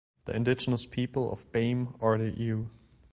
The indigenous people of Bame are the Ewe.